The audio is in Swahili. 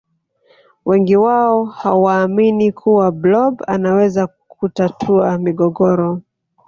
wengi wao hawaamini kuwa blob anaweza kutatua migogoro